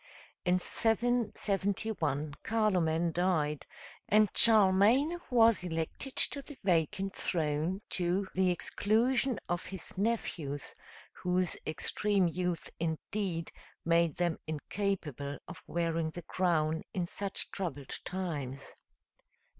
In 771 Carloman died, and Charlemagne was elected to the vacant throne, to the exclusion of his nephews, whose extreme youth, indeed, made them incapable of wearing the crown in such troubled times.